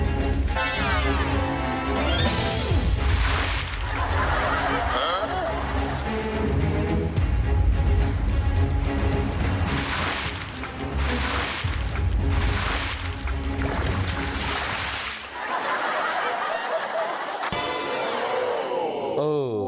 มาประมาณไหนแซลนียกาเลยถามให้ถูกสำนาคารสัมภาษณ์มีอะไรบ้าง